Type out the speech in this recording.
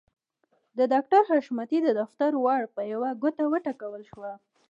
د ډاکټر حشمتي د دفتر ور په يوه ګوته وټکول شو.